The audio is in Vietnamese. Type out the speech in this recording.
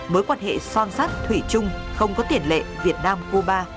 mối quan hệ son sắt thủy chung không có tiền lệ việt nam cuba